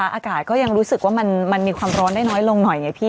อากาศก็ยังรู้สึกว่ามันมีความร้อนได้น้อยลงหน่อยไงพี่